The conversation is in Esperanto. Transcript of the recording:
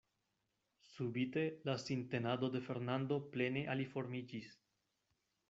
Subite la sintenado de Fernando plene aliformiĝis.